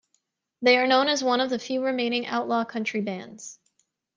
They are known as one of the few remaining outlaw country bands.